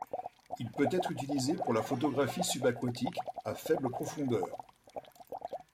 Il peut être utilisé pour la photographie subaquatique, à faible profondeur.